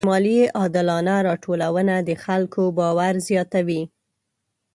د مالیې عادلانه راټولونه د خلکو باور زیاتوي.